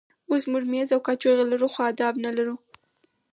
اوس موږ مېز او کاچوغې لرو خو آداب نه لرو.